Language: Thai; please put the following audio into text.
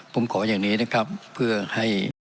ผมขออย่างนี้นะครับเพื่อให้